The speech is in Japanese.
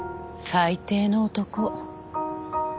最低の男。